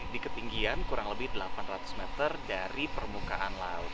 di ketinggian kurang lebih delapan ratus meter dari permukaan laut